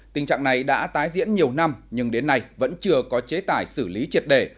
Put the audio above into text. tình trạng này đã tái diễn nhiều năm nhưng đến nay vẫn chưa có chế tải xử lý triệt đề